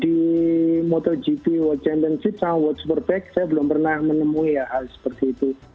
di motogp world championship sama world superbike saya belum pernah menemui ya hal seperti itu